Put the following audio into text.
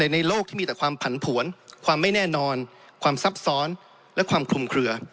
ในโลกที่มีแต่ความผันผวนความไม่แน่นอนความซับซ้อนและความคลุมเคลือ